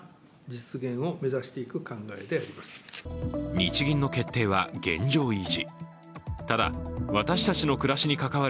日銀の決定は現状維持。